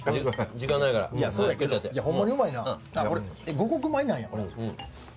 五穀米なんやこれ。